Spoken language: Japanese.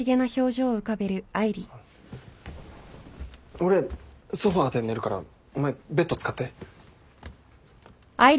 俺ソファで寝るからお前ベッド使って。